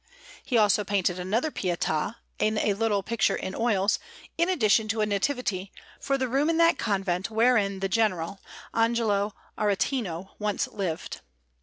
He also painted another Pietà in a little picture in oils, in addition to a Nativity, for the room in that convent wherein the General, Angelo Aretino, once lived.